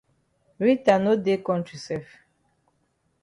Rita no dey kontri sef.